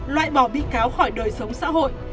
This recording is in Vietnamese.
loại bỏ bị cáo khỏi đời sống xã hội